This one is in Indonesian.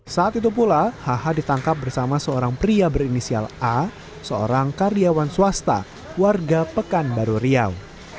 saat itu pula hh ditangkap bersama seorang pria berinisial a seorang karyawan swasta warga pekanbaru riau